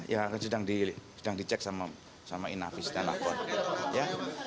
yang sedang dicek sama inavis dan alphorn